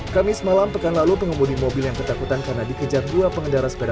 kamis malam pekan lalu pengemudi mobil yang ketakutan karena dikejar dua pengendara sepeda